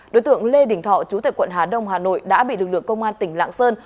đối tượng lê đình thọ chú tại quận hà đông hà nội đã bị lực lượng công an tỉnh lạng sơn